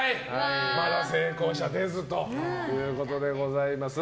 まだ成功者出ずということでございます。